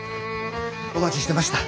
お待ちしてました。